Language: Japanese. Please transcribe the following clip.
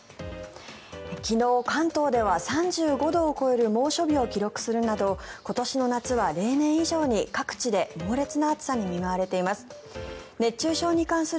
昨日、関東では３５度を超える猛暑日を記録するなど今年の夏は例年以上に各地で猛烈な暑さに見舞われています。